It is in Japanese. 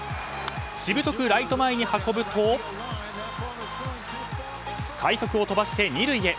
しぶとくライト前に運ぶと快足を飛ばして２塁へ。